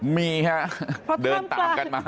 มีฮะเดินตามกันมา